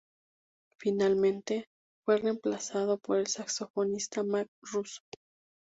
Finalmente, fue reemplazado por el saxofonista Marc Russo.